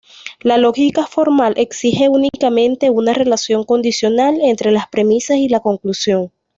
La lógica formal exige únicamente una relación condicional entre las premisas y la conclusión.